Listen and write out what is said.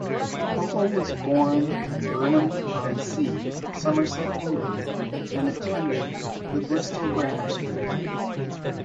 Pople was born in Burnham-on-Sea, Somerset, England and attended the Bristol Grammar School.